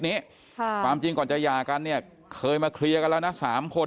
ในความจริงก่อนจะยากันเนี่ยเขามาเคลียร์แล้วนะ๓คน